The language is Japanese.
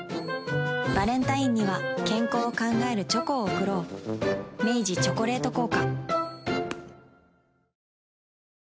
バレンタインには健康を考えるチョコを贈ろう明治「チョコレート効果」